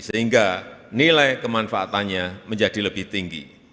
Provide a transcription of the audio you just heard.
sehingga nilai kemanfaatannya menjadi lebih tinggi